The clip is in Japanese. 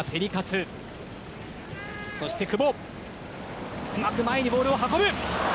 久保、うまく前にボールを運ぶ。